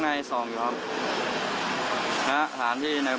แล้วโลกเรามีอะไรที่ไหน